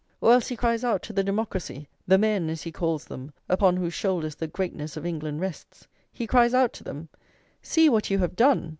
Or else he cries out to the democracy, "the men," as he calls them, "upon whose shoulders the greatness of England rests," he cries out to them: "See what you have done!